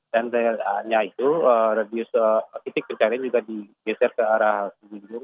dan dari itu titik pencarian juga digeser ke arah kebunjung